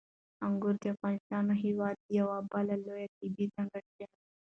انګور د افغانستان هېواد یوه بله لویه طبیعي ځانګړتیا ده.